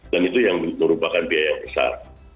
dan itu yang merupakan biaya yang besar